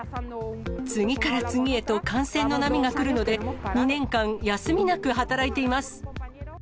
次から次へと感染の波が来るので、２年間休みなく働いています。